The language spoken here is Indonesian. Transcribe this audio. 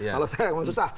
kalau saya memang susah